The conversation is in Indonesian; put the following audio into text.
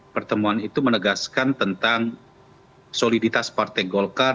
pertemuan itu menegaskan tentang soliditas partai golkar